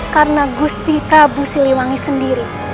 karena gusti prabu siliwangi sendiri